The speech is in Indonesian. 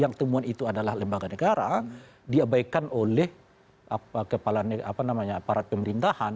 yang temuan itu adalah lembaga negara diabaikan oleh kepala aparat pemerintahan